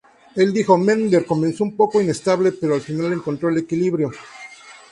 Él dijo: "Mendler comenzó un poco inestable, pero al final encontró el equilibrio".